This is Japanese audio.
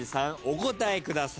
お答えください。